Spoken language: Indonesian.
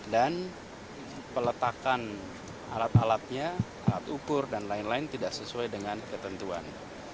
dan peletakan alat alatnya alat ukur dan lain lain tidak sesuai dengan ketentuan